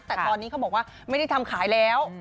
แต่ตอนนี้เขาบอกว่าไม่ได้ทำขายแล้ว